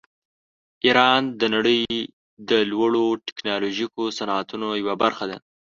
ایران د نړۍ د لوړو ټیکنالوژیکو صنعتونو یوه برخه ده.